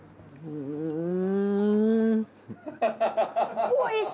うん。